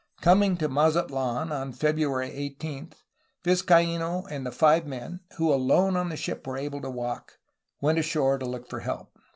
Coming to Mazatldn on February 18, Vizcafno and five men, who alone on the ship were able to walk, went ashore to look for help.